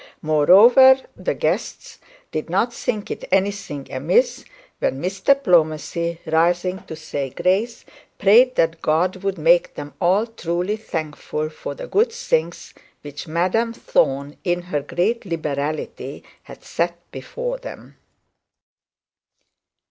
Moreover, the guests did not think it anything amiss when Mr Plomacy, rising to say grace, prayed that God would make them all truly thankful for the good things which Madam Thorne in her great liberality had set out before them!